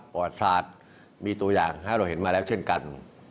ประวัติศาสตร์มีตัวอย่างให้เราเห็นมาแล้วเช่นกัน